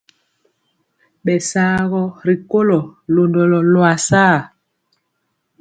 Bɛsaagɔ ri kolo londɔlo loasare.